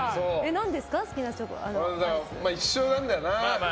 一緒なんだよな。